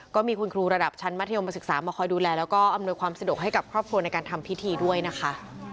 ก็มีคุณครูระดับชั้นมัธยมศึกษามาคอยดูแลแล้วก็อำนวยความสะดวกให้กับครอบครัวในการทำพิธีด้วยนะคะ